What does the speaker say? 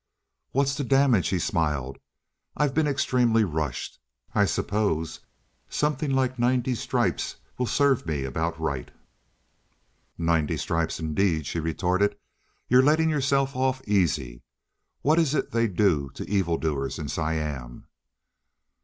"What's the damage?" he smiled. "I've been extremely rushed. I suppose something like ninety stripes will serve me about right." "Ninety stripes, indeed!" she retorted. "You're letting yourself off easy. What is it they do to evil doers in Siam?"